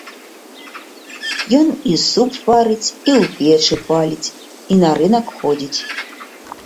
Ён і суп варыць, і ў печы паліць, і на рынак ходзіць.